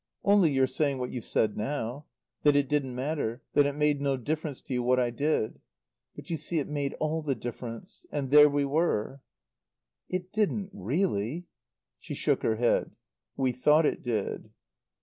"Only your saying what you've said now. That it didn't matter that it made no difference to you what I did. But, you see, it made all the difference. And there we were." "It didn't really." She shook her head. "We thought it did."